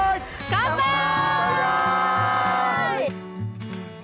カンパイ！